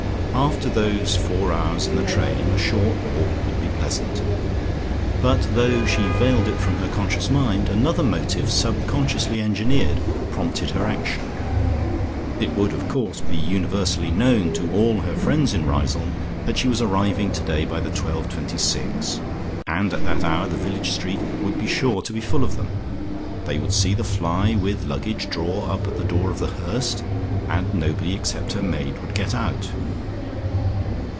After those four hours in the train a short walk would be pleasant, but, though she veiled it from her conscious mind, another motive, sub consciously engineered, prompted her action. It would, of course, be universally known to all her friends in Riseholme that she was arriving today by the 12.26, and at that hour the village street would be sure to be full of them. They would see the fly with luggage draw up at the door of The Hurst, and nobody except her maid would get out.